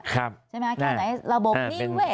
เอาหน่อยระบบนิ่งเว้